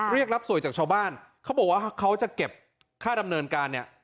เรียกรับสวยจากชาวบ้านเขาบอกว่าเขาจะเก็บค่าดำเนินการเนี่ย